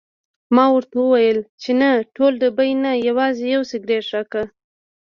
ما ورته وویل چې نه ټول ډبې نه، یوازې یو سګرټ راکړه.